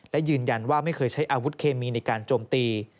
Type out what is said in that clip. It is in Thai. และยืนยันว่าไม่เคยใช้อาวุธเคมีในการโจมตี